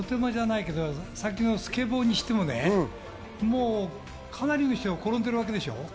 スケボーにしても、かなりの人が転んでるわけでしょ？